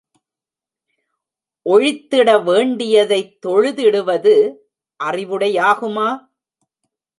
ஒழித்திட வேண்டியதைத் தொழுதிடுவது அறிவுடையாகுமா?